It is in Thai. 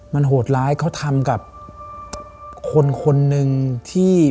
มันโหดร้ายเขาทำกับคนคนหนึ่งที่